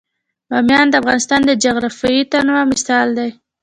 بامیان د افغانستان د جغرافیوي تنوع مثال دی.